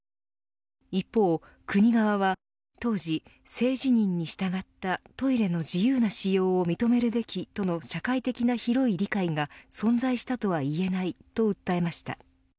一方、国側は当時、性自認に従ったトイレの自由な使用を認めるべきとの社会的な広い理解が存在したとは言えないと訴えました。